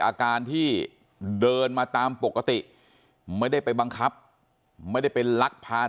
อาการที่เดินมาตามปกติไม่ได้ไปบังคับไม่ได้ไปลักพา